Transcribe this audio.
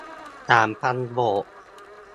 สามพันโบก